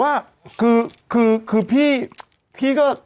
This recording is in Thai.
แต่ว่าคือพี่ก็